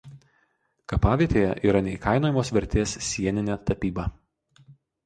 Kapavietėje yra neįkainojamos vertės sieninė tapyba.